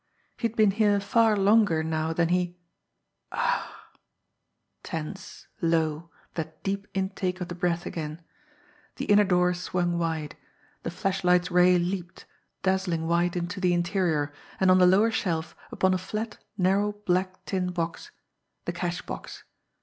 He had been here far longer now than he 'Ah' tense, low, that deep intake of the breath again. The inner door swung wide; the flashlight's ray leaped, dazzling white, into the interior, and, on the lower shelf, upon a flat, narrow, black tin box the cash box.